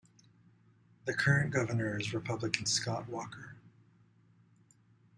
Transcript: The current governor is Republican Scott Walker.